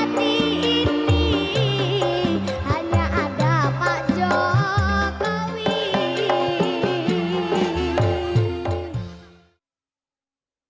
di hati ini hanya ada pak jokowi